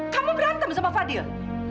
kamu berantem sama fadil